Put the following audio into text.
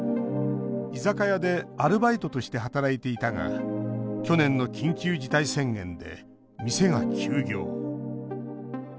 居酒屋でアルバイトとして働いていたが去年の緊急事態宣言で店が休業。